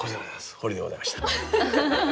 ホリでございました。